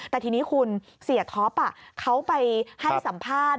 แต่ทีนี้คุณเสียท็อปเขาไปให้สัมภาษณ์